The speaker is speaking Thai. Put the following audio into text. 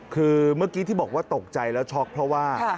คือเมื่อกี้ที่บอกว่าตกใจแล้วช็อกเพราะว่า